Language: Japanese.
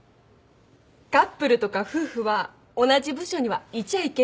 カップルとか夫婦は同じ部署にはいちゃいけないっていう。